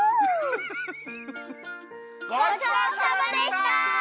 ごちそうさまでした！